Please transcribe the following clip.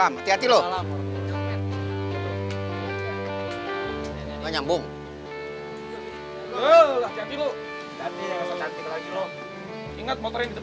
mun gue cabut duluan ya